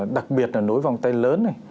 đặc biệt là nối vòng tay lớn này